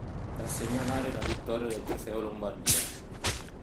Da segnalare la vittoria del Trofeo Lombardia.